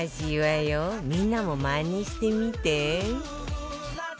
みんなもまねしてみて